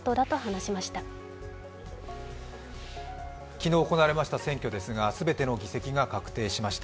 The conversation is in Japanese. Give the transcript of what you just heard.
昨日行われました選挙ですが、全ての議席が確定しました。